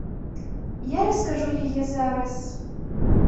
Я раскажу яе зараз.